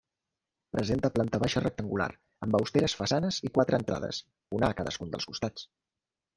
Presenta planta baixa rectangular, amb austeres façanes i quatre entrades, una a cadascun dels costats.